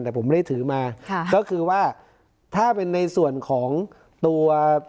แต่ผมไม่ได้ถือมาค่ะก็คือว่าถ้าเป็นในส่วนของตัว